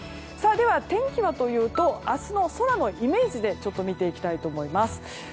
では、天気はというと明日の空のイメージで見ていきたいと思います。